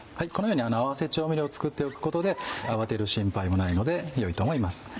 このように合わせ調味料を作っておくことで慌てる心配もないのでよいと思います。